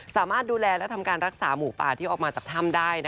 สามารถดูแลและทำการรักษาหมูป่าที่ออกมาจากถ้ำได้